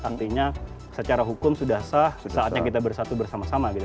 artinya secara hukum sudah sah saatnya kita bersatu bersama sama gitu